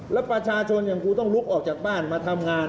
แล้วประชาชนอย่างครูต้องลุกออกจากบ้านมาทำงาน